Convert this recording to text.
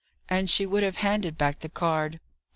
And she would have handed back the card.